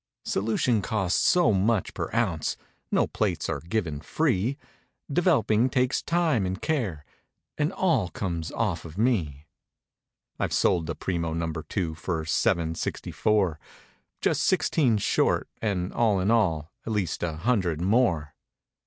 Solution costs so much per ounce ; No plates are given free; Developing takes time and care— And all comes off of me. I've sold the Premo number two, For seven, sixty four; Just sixteen short, and all in all, At least a hundred more.